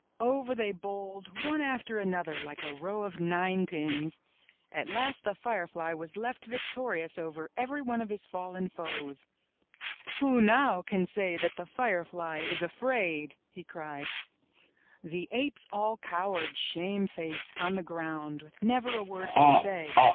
Over they bowled, one after another, like a row of ninepins. At last the 35 MY BOOK HOUSE firefly was left victorious over every one of his fallen foes. Who now can say that the firefly is afraid?*' he cried. The apes all cowered, shame faced, on the ground with never a word to say.